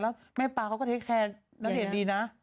แล้วแม่ปลาเขาก็เนตแคร์แต่เห็นดีนะ